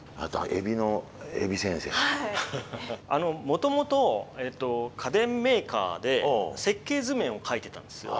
もともと家電メーカーで設計図面を描いてたんですよ。